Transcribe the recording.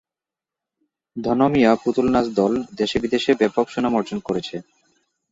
ধন মিয়া পুতুল নাচ দল দেশে বিদেশে ব্যাপক সুনাম অর্জন করেছে।